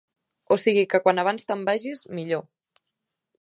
O sigui que quan abans te'n vagis, millor.